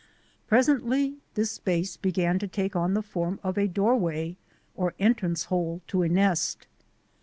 Presently this space began to take on the form of a doorway or entrance hole to a nest.